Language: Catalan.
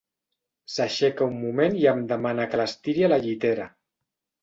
S'aixeca un moment i em demana que l'estiri a la llitera.